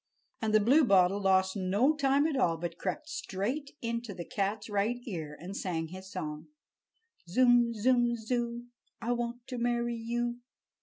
And the Bluebottle lost no time at all, but crept straight into the cat's right ear and sang his song: "Zum, zum, zoo, I want to marry you!"